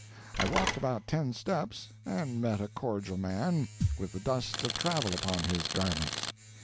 I walked about ten steps, and met a cordial man, with the dust of travel upon his garments.